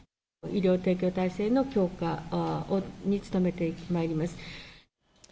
医療提供体制の強化に努めてまいります。